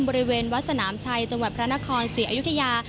บริเวณวัดสนามชัยจังหวัดพระนครศรีอยุธยา